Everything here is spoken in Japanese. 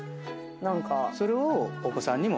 それをお子さんにも。